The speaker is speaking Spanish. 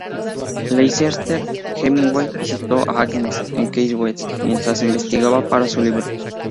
Leicester Hemingway visitó a Agnes en Key West, mientras investigaba para su libro.